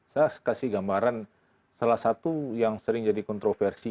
saya kasih gambaran salah satu yang sering jadi kontroversi